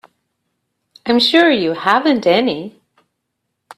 I'm sure you haven't any.